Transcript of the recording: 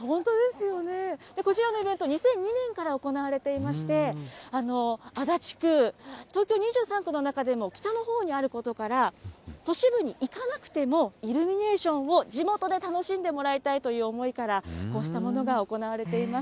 こちらのイベント、２００２年から行われていまして、足立区、東京２３区の中でも北のほうにあることから、都市部に行かなくてもイルミネーションを地元で楽しんでもらいたいという思いから、こうしたものが行われています。